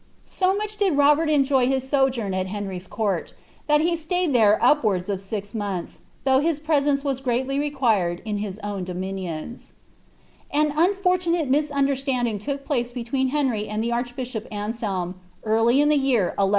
' So much did Robert enjoy hia sojourn at Henry's court, that he stayed ihere upwards of six moiiiha, though liis presence wu grpBily required in his own dominions* An uufortunale nibunderslanding took place between Henry and the archbishop Anselm, early in the yew 1103.